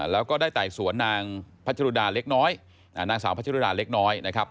แล้วก็ได้ไต่สวนนางพัชรุดาเล็กน้อยนางสาวพัชรุดาเล็กน้อยนะครับ